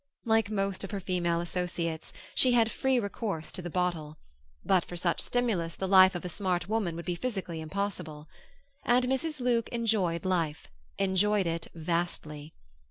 Like most of her female associates, she had free recourse to the bottle; but for such stimulus the life of a smart woman would be physically impossible. And Mrs. Luke enjoyed life, enjoyed it vastly.